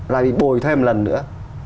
lại bị bồi thêm lần nữa